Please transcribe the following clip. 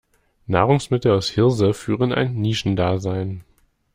Nahrungsmittel aus Hirse führen ein Nischendasein.